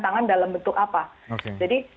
tangan dalam bentuk apa jadi